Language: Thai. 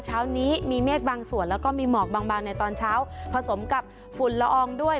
เช้านี้มีเมฆบางส่วนแล้วก็มีหมอกบางบางในตอนเช้าผสมกับฝุ่นละอองด้วย